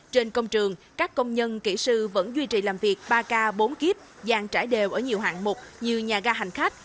trên công trường các công nhân kỹ sư vẫn duy trì làm việc ba k bốn kíp dàn trải đều ở nhiều hạng mục như nhà ga hành khách